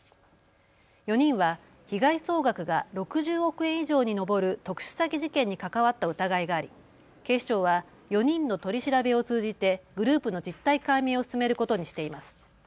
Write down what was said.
４人は被害総額が６０億円以上に上る特殊詐欺事件に関わった疑いがあり警視庁は４人の取り調べを通じてグループの実態解明を進めることにしています。